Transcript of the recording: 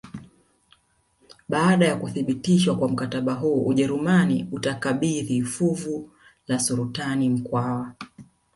Baada ya kuthibitishwa kwa mkataba huu Ujerumani utakabidhi fuvu la sultani Mkwawa